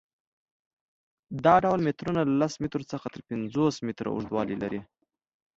دا ډول مترونه له لس مترو څخه تر پنځوس متره اوږدوالی لري.